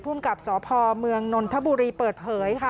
ภูมิกับสพเมืองนนทบุรีเปิดเผยค่ะ